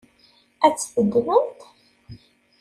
Ad tt-teddmemt?